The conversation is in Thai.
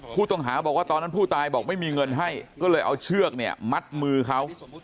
ผู้ต้องหาบอกว่าตอนนั้นผู้ตายบอกไม่มีเงินให้ก็เลยเอาเชือกเนี่ยมัดมือเขา